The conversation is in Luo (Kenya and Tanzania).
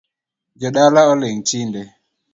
Jodala oling’ tinde